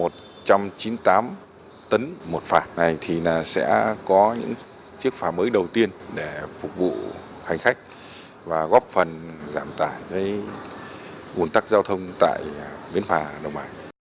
trọng tài là một trăm chín mươi tám tấn một phà này thì sẽ có những chiếc phà mới đầu tiên để phục vụ hành khách và góp phần giảm tài với nguồn tắc giao thông tại bến phà đồng bài